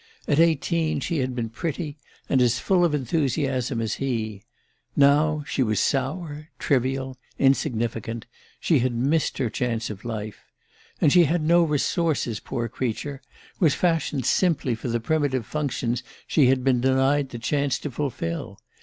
At eighteen she had been pretty, and as full of enthusiasm as he. Now she was sour, trivial, insignificant she had missed her chance of life. And she had no resources, poor creature, was fashioned simply for the primitive functions she had been denied the chance to fulfil!